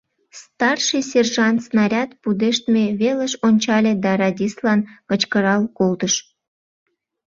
Старший сержант снаряд пудештме велыш ончале да радистлан кычкырал колтыш: